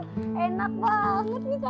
kasur baru enak banget nih kasur baru